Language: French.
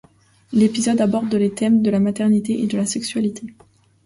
L'épisode aborde les thèmes de la maternité et de la sexualité.